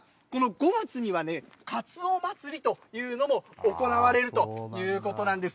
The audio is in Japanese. ５月にはねかつお祭というのも行われるということなんです。